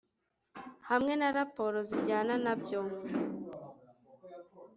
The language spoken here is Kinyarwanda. Hamwe na raporo zijyana na byo